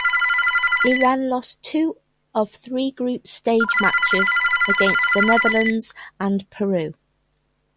Iran lost two of three group stage matches against the Netherlands and Peru.